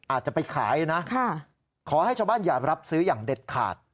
อาจจะไปขายนะขอให้ชาวบ้านอย่ารับซื้ออย่างเด็ดขาด